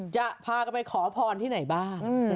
จะพากันไปขอพรที่ไหนบ้าง